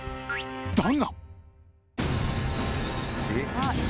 だが。